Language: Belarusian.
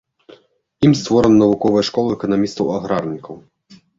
Ім створана навуковая школа эканамістаў-аграрнікаў.